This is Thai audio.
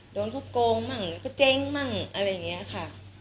โดนเขาโกงมั่งแล้วก็เจ๊งมั่งอะไรอย่างนี้ค่ะ